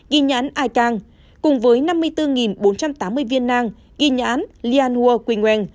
ghi nhãn ai cang cùng với năm mươi bốn bốn trăm tám mươi viên nang ghi nhãn lian hua quy nguen